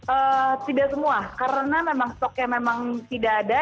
eee tidak semua karena memang stoknya memang tidak ada